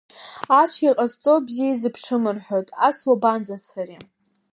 Ацәгьа ҟазҵо бзиа изыԥшым рҳәоит, ас уабанӡацари!